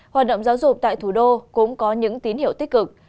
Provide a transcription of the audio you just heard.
hoạt động giáo dục tại thủ đô cũng có những tín hiệu tích cực